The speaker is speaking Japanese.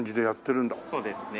そうですね。